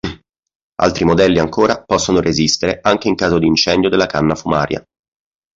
Altri modelli ancora possono resistere anche in caso di incendio della canna fumaria.